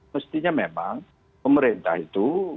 mestinya memang pemerintah itu